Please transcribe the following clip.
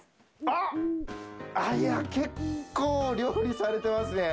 あいや結構料理されてますね。